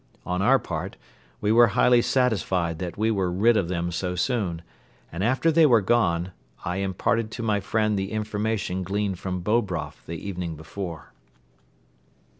On our part we were highly satisfied that we were rid of them so soon and, after they were gone, I imparted to my friend the information gleaned from Bobroff the evening before.